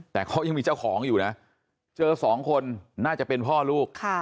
แต่เขายังมีเจ้าของอยู่นะเจอสองคนน่าจะเป็นพ่อลูก